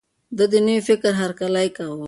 ده د نوي فکر هرکلی کاوه.